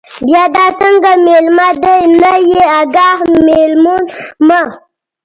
بیا دا څنگه مېلمه دے، نه يې اگاه، مېلمون مه